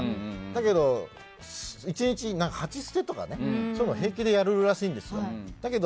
だけど１日８ステとかそういうの平気でやるらしいんですよ。